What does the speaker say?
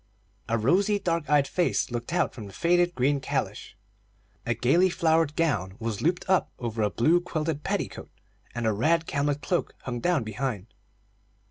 A rosy, dark eyed face looked out from the faded green calash, a gayly flowered gown was looped up over a blue quilted petticoat, and a red camlet cloak hung down behind.